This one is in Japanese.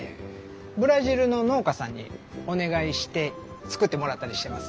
ブラジルの農家さんにお願いして作ってもらったりしてます。